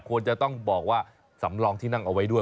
ควรจะต้องบอกว่าสำรองที่นั่งเอาไว้ด้วย